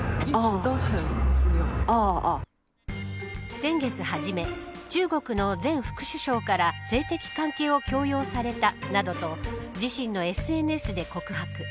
先月初め中国の前副首相から性的関係を強要されたなどと自身のＳＮＳで告白。